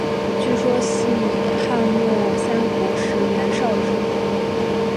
据说系汉末三国时袁绍之墓。